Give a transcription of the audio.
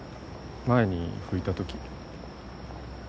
前に吹いた時。